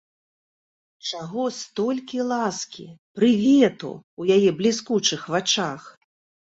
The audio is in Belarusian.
Чаго столькі ласкі, прывету ў яе бліскучых вачах?